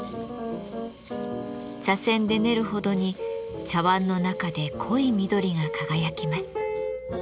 茶せんで練るほどに茶わんの中で濃い緑が輝きます。